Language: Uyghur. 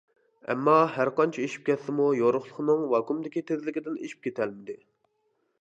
ئەمما ھەرقانچە ئېشىپ كەتسىمۇ يورۇقلۇقنىڭ ۋاكۇئۇمدىكى تېزلىكىدىن ئېشىپ كېتەلمىدى.